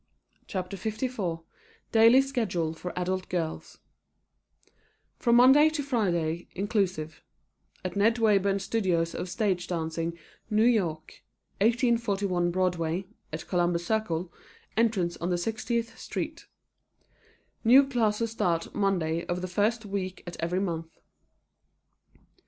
PRINTERS, CHICAGO DAILY SCHEDULE FOR ADULT GIRLS (From Monday to Friday, Inclusive) At Ned Wayburn Studios of Stage Dancing, New York 1841 Broadway (at Columbus Circle) Entrance on 60th Street New Classes Start Monday of the First Week of Every Month A.